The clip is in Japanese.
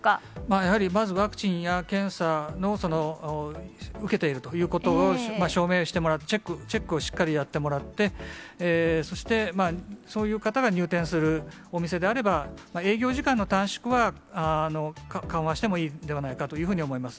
やはり、まずワクチンや検査を受けているということを証明してもらって、チェックをしっかりやってもらって、そして、そういう方が入店するお店であれば、営業時間の短縮は緩和してもいいのではないかというふうに思います。